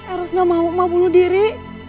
eros nggak mau emak bunuh diri